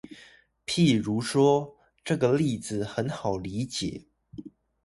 譬如說，這個例子很好理解